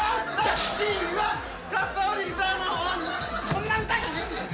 そんな歌じゃねえんだよ！